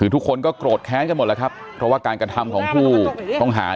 ทุกคนก็โกรธแข้งกันหมดว่าการกันทำของผู้ต้องหา